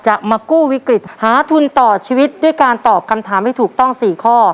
มากู้วิกฤตหาทุนต่อชีวิตด้วยการตอบคำถามให้ถูกต้อง๔ข้อ